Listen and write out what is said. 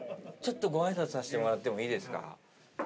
ちょっとご挨拶させてもらってもいいですか？